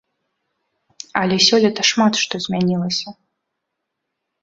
Але сёлета шмат што змянілася.